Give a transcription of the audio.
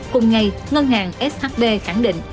cùng ngày ngân hàng shb khẳng định